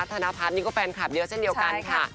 ธนพัฒน์นี่ก็แฟนคลับเยอะเช่นเดียวกันค่ะ